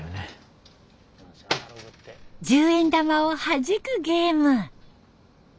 十円玉をはじくゲーム。